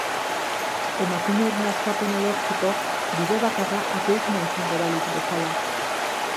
Emakumearen askapena lortzeko bide bakarra ateismoa izango balitz bezala.